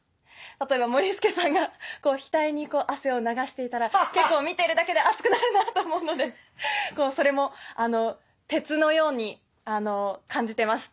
例えばモリスケさんが額に汗を流していたら結構見ているだけで暑くなるなと思うのでそれも鉄のように感じてます。